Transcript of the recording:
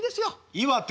岩手。